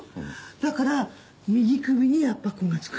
だから右首に圧迫痕が付く。